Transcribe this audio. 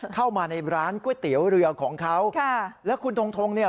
เข้ามาในร้านก๋วยเตี๋ยวเรือของเขาค่ะแล้วคุณทงทงเนี่ย